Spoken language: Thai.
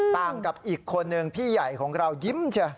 ต่างกับอีกคนหนึ่งพี่ใหญ่ของเรายิ้มเฉย